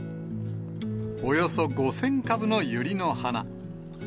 およそ５０００株のユリの花。